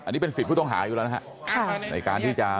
อันนี้เป็นศิษย์ผู้ต้องหาอยู่แล้วนะฮะ